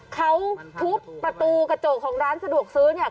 เขาทุบประตูกระจกของร้านสะดวกซื้อเนี่ย